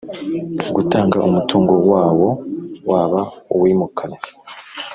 gutanga umutungo wawo waba uwimukanywa